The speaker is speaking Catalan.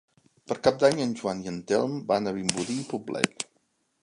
Per Cap d'Any en Joan i en Telm van a Vimbodí i Poblet.